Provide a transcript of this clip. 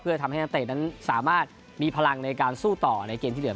เพื่อทำให้นักเตะนั้นสามารถมีพลังในการสู้ต่อในเกมที่เหลือ